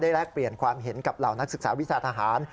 แลกเปลี่ยนความเห็นกับเหล่านักศึกษาวิชาทหาร